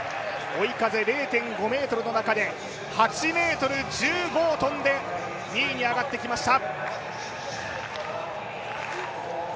追い風０．５ｍの中で８ｍ１５を跳んで２位に上がってきました。